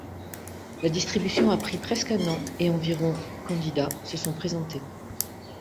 La distribution a pris presque un an et environ candidats se sont présentés.